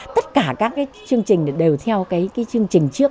tất cả các chương trình đều theo cái chương trình trước